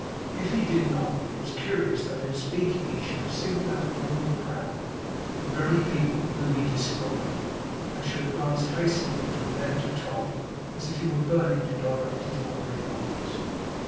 If HE did not, it was curious that in speaking he should have singled out from all the crowd the very people whom he described; and should have glanced hastily from them to Tom, as if he were burning to direct his wandering eyes.